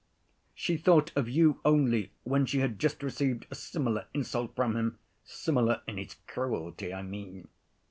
She thought of you only when she had just received a similar insult from him—similar in its cruelty, I mean.